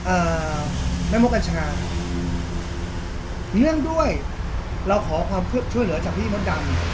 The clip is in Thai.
อ่าแม่มกัญชาเนื่องด้วยเราขอความช่วยเหลือจากพี่มดดำ